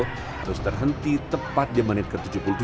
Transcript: terus terhenti tepat di menit ke tujuh puluh tujuh